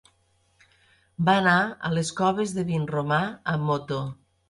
Va anar a les Coves de Vinromà amb moto.